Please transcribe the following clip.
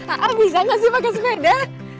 aar bisa nggak sih pakai sepeda